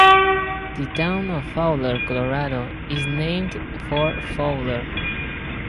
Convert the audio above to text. The town of Fowler, Colorado is named for Fowler.